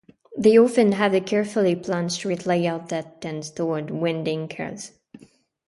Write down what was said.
They often have a carefully planned street layout that tends toward winding curves.